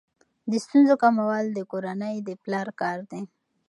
د ستونزو کمول د کورنۍ د پلار کار دی.